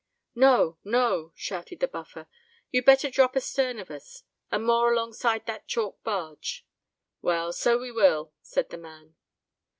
"No—no," shouted the Buffer. "You'd better drop astern of us, and moor alongside that chalk barge." "Well, so we will," said the man.